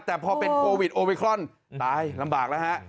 แต่พอเป็นโควิดโอมิครอนตายลำบากแล้วฮะ